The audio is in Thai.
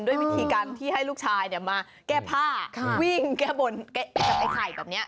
ด้วยวิธีการที่ให้ลูกชายมาแก้ผ้าวิ่งแก้บนกับไอ้ไข่แบบนี้